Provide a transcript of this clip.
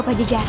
aku akan menang